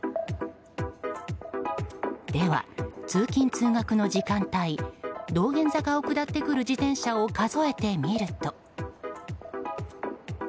では通勤・通学の時間帯道玄坂を下って来る自転車を数えてみると。